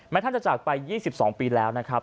ท่านจะจากไป๒๒ปีแล้วนะครับ